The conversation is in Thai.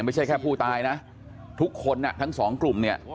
ไม่ใช่แค่ผู้ตายนะทุกคนทั้งสองกลุ่มเนี่ย